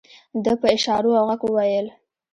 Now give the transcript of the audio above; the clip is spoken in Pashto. ده په اشارو او غږ وويل.